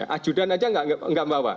ajudan saja tidak membawa